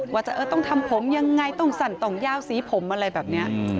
ว่าจะต้องทำผมยังไงต้องสั่นต้องยาวสีผมอะไรแบบนี้